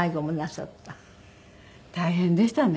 大変でしたね。